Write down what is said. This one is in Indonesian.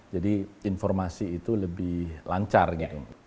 jadi informasi itu lebih lancar gitu